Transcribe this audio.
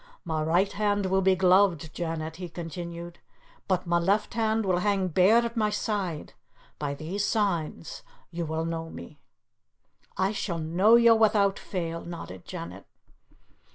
"My right hand will be gloved, Janet," he continued, "but my left hand will hang bare at my side. By these signs you will know me." "I shall know you without fail," nodded Janet.